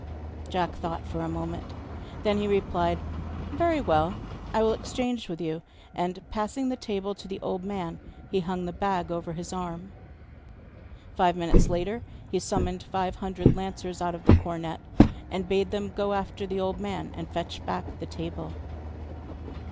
Jack thought for a moment; then he replied: 'Very well, I will exchange with you.' And passing the table to the old man, he hung the bag over his arm. Five minutes later he summoned five hundred lancers out of the cornet and bade them go after the old man and fetch back the table.